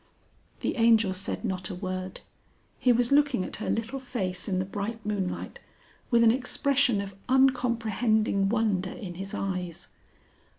The Angel said not a word. He was looking at her little face in the bright moonlight, with an expression of uncomprehending wonder in his eyes.